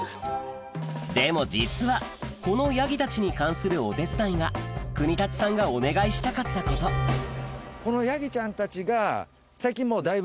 でも実はこのヤギたちに関するお手伝いが國立さんがお願いしたかったことこのヤギちゃんたちが最近。